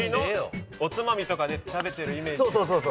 おつまみとかで食べてるイメージ。